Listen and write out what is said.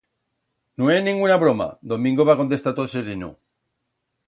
No é nenguna broma, Domingo, va contestar tot sereno.